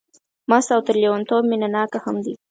مست او تر لېونتوب مینه ناک هم دی.